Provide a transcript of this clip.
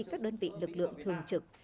các đơn vị lực lượng thường trực